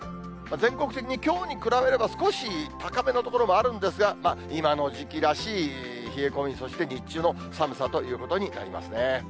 全国的にきょうに比べれば、少し高めの所もあるんですが、まあ、今の時期らしい冷え込み、そして日中の寒さということになりますね。